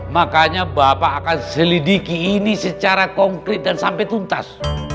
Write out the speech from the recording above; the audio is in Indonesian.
makanya bapak akan selidiki ini secara konkret dan sampai tuntas